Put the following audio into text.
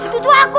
itu tuh aku